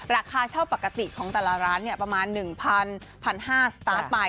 ราคาเช่าปกติของแต่ละร้านประมาณ๑๐๐๑๕๐๐สตาร์ทไป